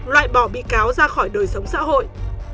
loại bỏ bị cáo ra khỏi đời sống xã hội